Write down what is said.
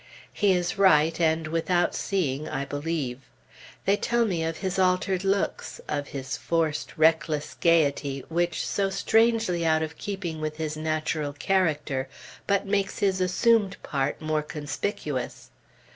He is right, and without seeing, I believe. They tell me of his altered looks, and of his forced, reckless gaiety which, so strangely out of keeping with his natural character, but makes his assumed part more conspicuous.